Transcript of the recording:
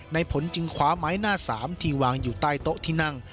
ในผลจึงคว้าไม้หน้าสามที่วางอยู่ใต้โต๊ะที่นั่ง